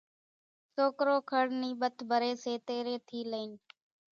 سوڪرو کڙ نِي ٻٿ ڀري سي تيرين ٿي لئين،